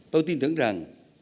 tôi tin tưởng rằng